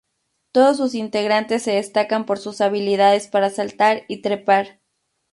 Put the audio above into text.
Todos sus integrantes se destacan por sus habilidades para saltar y trepar.